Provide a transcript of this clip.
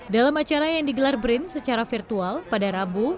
dalam acara yang digelar brin secara virtual pada rabu